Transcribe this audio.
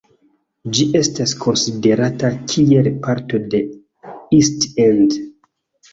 Ĝi estas konsiderata kiel parto de East End.